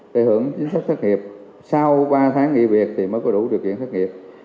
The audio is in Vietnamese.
tài hưởng chính sách thất nghiệp sau ba tháng nghị việc thì mới có đủ điều kiện thất nghiệp